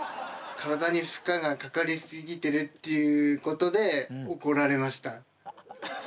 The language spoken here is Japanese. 体に負荷がかかり過ぎてるっていうことで怒られました。